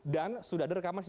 dan sudah direkamasi